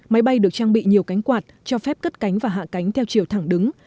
máy bay được trang bị nhiều cánh quạt cho phép cất cánh và hạ cánh theo chiều thẳng đứng